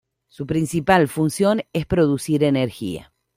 Su principal función es producir energía.